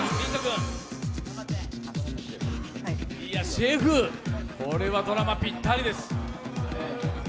シェフ、これはドラマぴったりです。